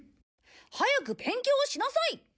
早く勉強をしなさい。